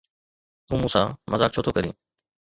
تون مون سان مذاق ڇو ٿو ڪرين؟